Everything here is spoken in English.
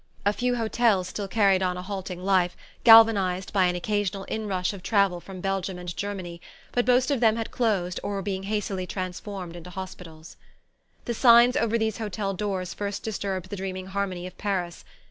A few hotels still carried on a halting life, galvanized by an occasional inrush of travel from Belgium and Germany; but most of them had closed or were being hastily transformed into hospitals. The signs over these hotel doors first disturbed the dreaming harmony of Paris.